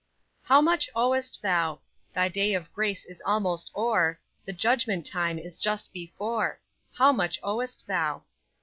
"How much owest thou? Thy day of grace is almost o'er, The judgment time is just before How much owest thou?